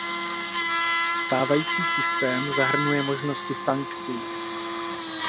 Stávající systém zahrnuje možnosti sankcí.